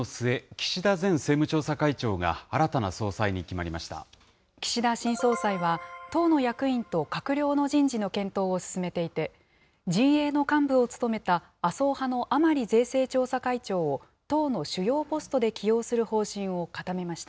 岸田新総裁は、党の役員と閣僚の人事の検討を進めていて、陣営の幹部を務めた麻生派の甘利税制調査会長を、党の主要ポストで起用する方針を固めました。